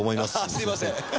すみません。